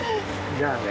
じゃあね。